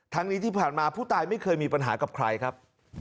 นี้ที่ผ่านมาผู้ตายไม่เคยมีปัญหากับใครครับ